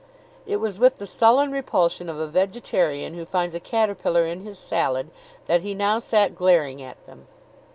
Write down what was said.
It was with the sullen repulsion of a vegetarian who finds a caterpillar in his salad that he now sat glaring at them.